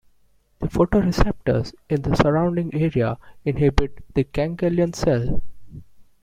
The photoreceptors in the surrounding area "inhibit" the ganglion cell.